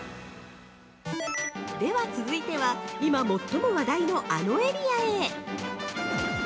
では、続いては、今、最も話題のあのエリアへ。